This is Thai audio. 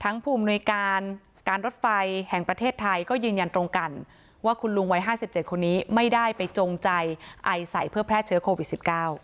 ภูมิหน่วยการการรถไฟแห่งประเทศไทยก็ยืนยันตรงกันว่าคุณลุงวัย๕๗คนนี้ไม่ได้ไปจงใจไอใส่เพื่อแพร่เชื้อโควิด๑๙